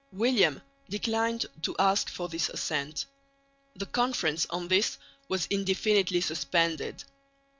William declined to ask for this assent. The Conference on this was indefinitely suspended.